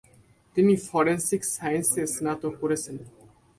তিনি ফরেনসিক সায়েন্সে স্নাতক করেছেন।